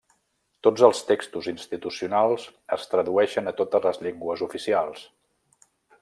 Tots els textos institucionals es tradueixen a totes les llengües oficials.